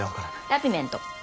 ラピメント。